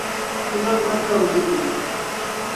O naŋgbani na bi lu tiŋa.